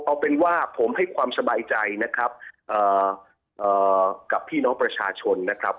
เอาเป็นว่าผมให้ความสบายใจนะครับกับพี่น้องประชาชนนะครับ